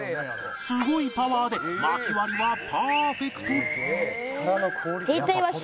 すごいパワーで薪割りはパーフェクト